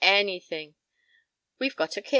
Anything! We've got a kid."